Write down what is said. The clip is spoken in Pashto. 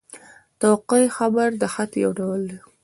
توقع خط؛ د خط یو ډول دﺉ.